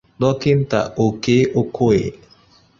Dọkịta Okey Okoye